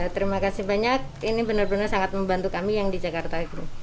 terima kasih banyak ini benar benar sangat membantu kami yang di jakarta group